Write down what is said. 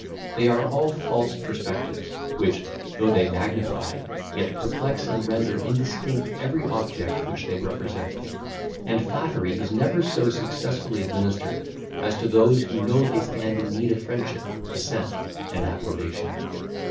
They are all false perspectives, which, though they magnify, yet perplex and render indistinct every object which they represent. And flattery is never so successfully administered, as to those who know they stand in need of friendship, assent, and approbation.